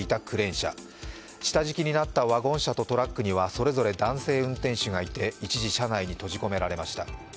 下敷きになったワゴン車とトラックにはそれぞれ男性運転手がいて一時、車内に閉じ込められました。